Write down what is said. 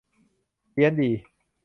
เพี้ยนดี